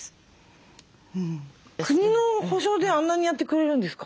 国の保障であんなにやってくれるんですか？